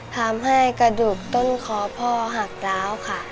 ทำให้กระดูกต้นคอพ่อหักร้าวค่ะ